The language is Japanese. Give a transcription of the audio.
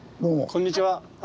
こんにちは。